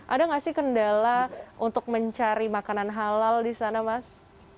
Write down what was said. ada gak sih kendala untuk mencari makanan halal disana mas